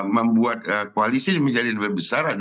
membuat koalisi menjadi lebih besar